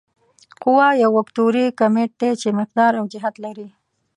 قوه یو وکتوري کمیت دی چې مقدار او جهت لري.